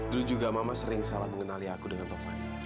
dulu juga mama sering salah mengenali aku dengan tovan